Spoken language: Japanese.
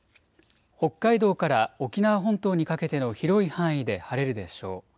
北海道から沖縄本島にかけての広い範囲で晴れるでしょう。